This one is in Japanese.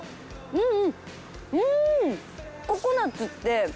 うん！